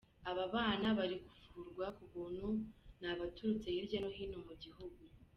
Aba bana bari kuvurwa ku buntu ni abaturutse hirya no hino mu gihugu.